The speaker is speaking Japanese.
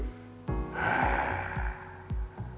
へえ。